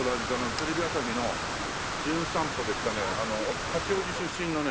テレビ朝日の『じゅん散歩』で来たね八王子出身のね